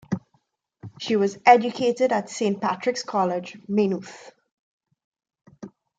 She was educated at Saint Patrick's College, Maynooth.